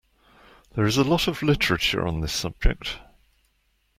There is a lot of Literature on this subject.